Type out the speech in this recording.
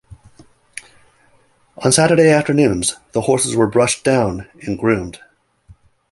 On Saturday afternoons the horses were brushed down and groomed.